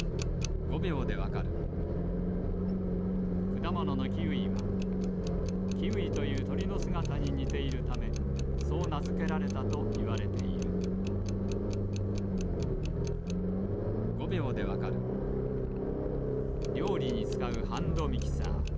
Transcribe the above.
くだもののキウイはキーウィというとりのすがたににているためそうなづけられたといわれているりょうりにつかうハンドミキサー。